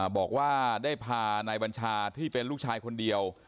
บอกว่าได้พานายบัญชาที่เป็นลูกชายคนเดียว